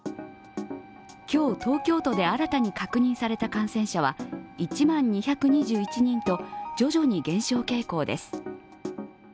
今日、東京都で新たに確認された感染者は１万２２１人と徐々に減少傾向です。